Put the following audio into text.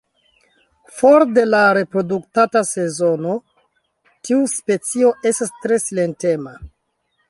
For de la reprodukta sezono tiu specio estas tre silentema.